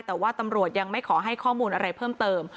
แต่ว่าตำรวจยังไม่ขอให้ข้อมูลอะไรเพิ่มเติม